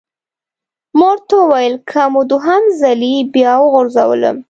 ما ورته وویل: که مو دوهم ځلي بیا وغورځولم!